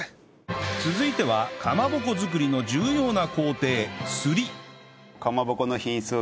続いてはかまぼこ作りの重要な工程すり